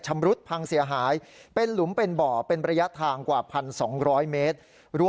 ชำรุดพังเสียหายเป็นหลุมเป็นบ่อเป็นระยะทางกว่า๑๒๐๐เมตร